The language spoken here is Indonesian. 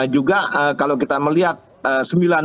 juga kalau kita melihat sembilan bulan